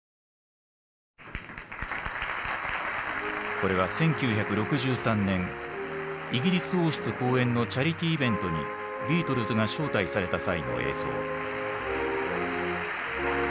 これは１９６３年イギリス王室後援のチャリティーイベントにビートルズが招待された際の映像。